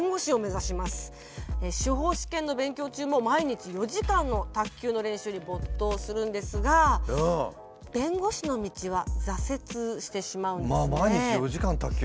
司法試験の勉強中も毎日４時間の卓球の練習に没頭するんですが弁護士の道は挫折してしまうんですね。